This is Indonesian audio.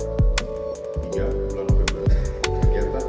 k alat alat perusahaan dengan sikap